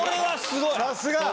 さすが！